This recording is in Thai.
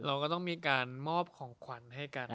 เราก็ต้องมีการมอบของขวัญให้กัน